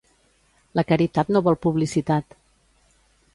La caritat no vol publicitat.